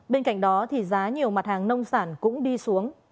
bên cạnh đó thì giá nhiều mặt hàng nông sản cũng đi xuống